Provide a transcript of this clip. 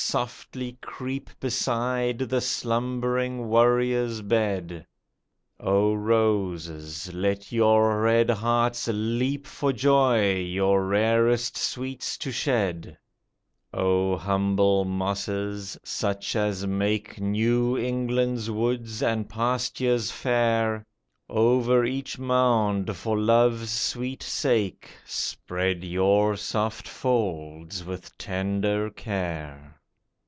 softly creep Beside the slumbering warrior's bed ; O roses ! let your red hearts leap For joy your rarest sweets to shed ; O humble mosses ! such as make New England's woods and pastures fair, Over each mound, for Love's sweet sake, Spread your soft folds with tender care.